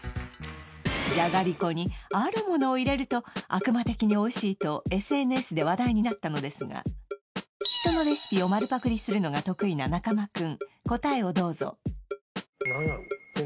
じゃがりこにあるものを入れると悪魔的においしいとＳＮＳで話題になったのですがひとのレシピを丸パクリするのが得意な中間君答えをどうぞ何やろう？